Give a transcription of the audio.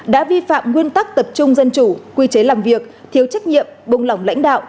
đã vi phạm nguyên tắc tập trung dân chủ quy chế làm việc thiếu trách nhiệm buông lỏng lãnh đạo